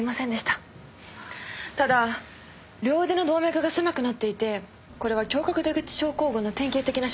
ただ両腕の動脈が狭くなっていてこれは胸郭出口症候群の典型的な所見です。